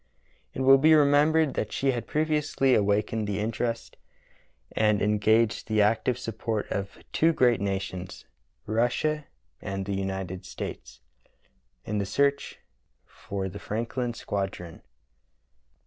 It will be remembered that she had previously awakened the interest and en gaged the active support of two great nations — Russia and the United States — in the search for the Franklin squadron.